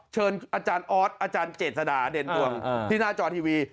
เชิญอาจารย์ออสอาจารย์เจษฎาเด่นดวงที่หน้าจอทีวี